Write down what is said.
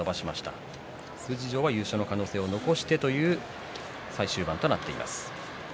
金峰山が数字上は優勝の可能性を残してという最終盤となっています。